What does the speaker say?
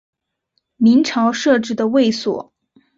明朝设置的卫所。